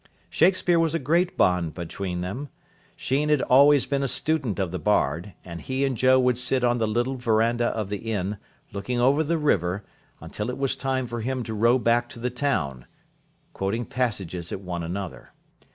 Shakespeare was a great bond between them. Sheen had always been a student of the Bard, and he and Joe would sit on the little verandah of the inn, looking over the river, until it was time for him to row back to the town, quoting passages at one another.